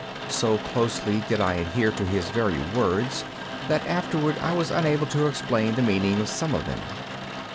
So closely did I adhere to his very words that afterward I was unable to explain the meaning of some of them.